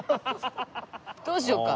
どうしよっか。